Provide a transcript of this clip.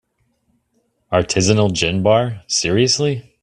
Artisanal gin bar, seriously?!